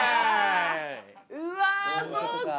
うわそうか。